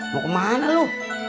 mau kemana lu